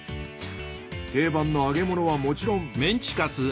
定番の揚げ物はもちろん。